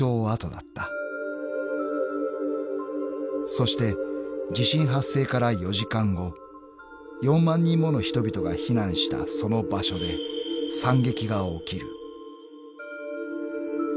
［そして地震発生から４時間後４万人もの人々が避難したその場所で惨劇が起きる］